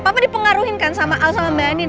papa dipengaruhin kan sama elsa sama mba anin